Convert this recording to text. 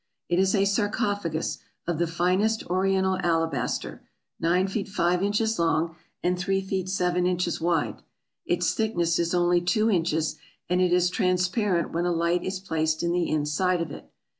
It is a sarcophagus of the finest oriental alabaster, nine feet five inches long, and three feet seven inches wide. Its thick ness is only two inches ; and it is transparent when a light is placed in the inside of it.